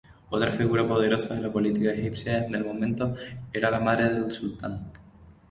Otra figura poderosa de la política egipcia del momento era la madre del sultán.